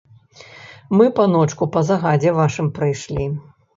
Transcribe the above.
Мы, паночку, па загадзе вашым прыйшлі.